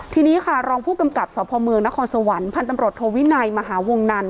ทีนี้ค่ะรองผู้กำกับสพมนครสวรรค์พันตำรวจโทวิไนมหาวงศ์นั้น